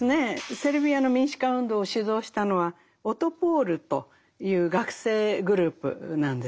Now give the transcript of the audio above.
セルビアの民主化運動を主導したのは「オトポール！」という学生グループなんですね。